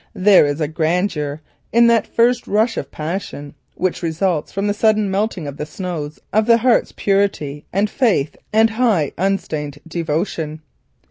There is a grandeur in that first rush of passion which results from the sudden melting of the snows of the heart's purity and faith and high unstained devotion.